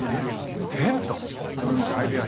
どのみち相部屋